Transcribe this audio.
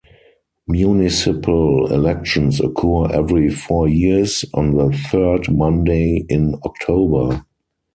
Municipal elections occur every four years on the third Monday in October.